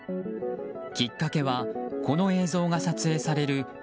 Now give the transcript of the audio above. きっかけはこの映像が撮影される